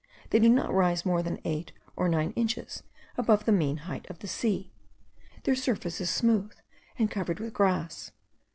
They do not rise more than eight or nine inches above the mean height of the sea. Their surface is smooth, and covered with grass.